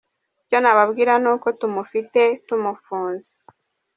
Icyo nababwira ni uko tumufite tumufunze.